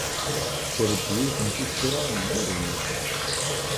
Tetter-d yiwet n tuttra igerrzen.